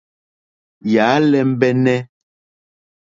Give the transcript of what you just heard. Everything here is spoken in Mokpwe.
Yà á !lɛ́mbɛ́nɛ́.